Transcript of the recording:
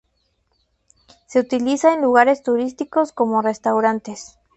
Se utiliza en lugares turísticos como restaurantes.